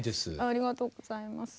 ありがとうございます。